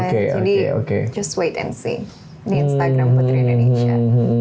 jadi just wait and see di instagram putri indonesia